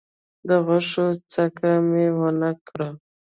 د غوښو څکه مي ونه کړه .